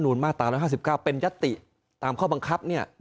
นูลมาตร๑๕๙เป็นยตติ